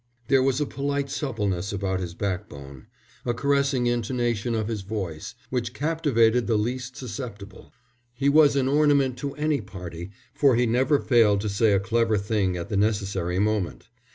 There was a polite suppleness about his backbone, a caressing intonation of his voice, which captivated the least susceptible. He was an ornament to any party, for he never failed to say a clever thing at the necessary moment.